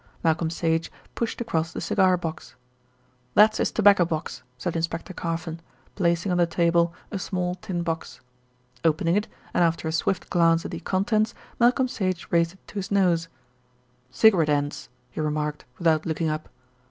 Malcolm Sage pushed across the cigar box. "That's his tobacco box," said Inspector Carfon, placing on the table a small tin box. Opening it, and after a swift glance at the contents, Malcolm Sage raised it to his nose: "Cigarette ends," he remarked without looking up.